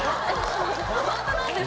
ホントなんですよ。